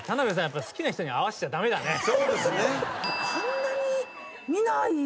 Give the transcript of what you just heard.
そうですね。